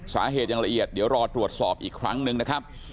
สาเหตุอย่างละเอียดเดี๋ยวรอตรวจสอบอีกครั้งหนึ่งนะครับ